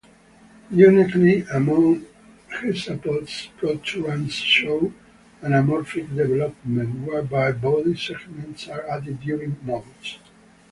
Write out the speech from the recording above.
Uniquely among hexapods, proturans show anamorphic development, whereby body segments are added during moults.